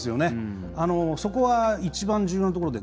そこは一番重要なところで。